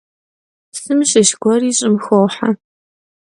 Psım şış gueri ş'ım xohe.